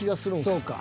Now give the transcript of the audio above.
そうか。